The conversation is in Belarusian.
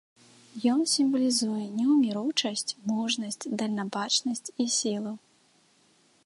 Ён сімвалізуе неўміручасць, мужнасць, дальнабачнасць і сілу.